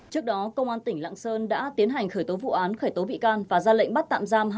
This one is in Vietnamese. trước đó công an tỉnh lạng sơn đã tiến hành khởi tố vụ án khởi tố bị can và ra lệnh bắt tạm giam